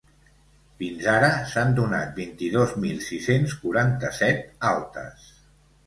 Fins ara, s’han donat vint-i-dos mil sis-cents quaranta-set altes.